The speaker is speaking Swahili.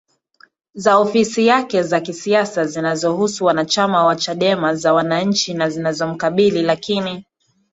za ofisi yake za kisiasa zinazohusu wanachama wa Chadema za wananchi na zinazomkabili lakini